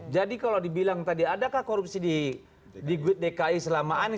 jadi kalau dibilang tadi adakah korupsi di dki selama ini